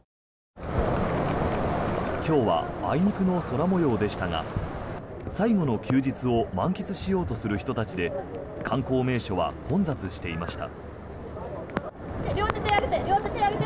今日はあいにくの空模様でしたが最後の休日を満喫しようとする人たちで観光名所は混雑していました。